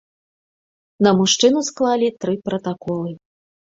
На мужчыну склалі тры пратаколы.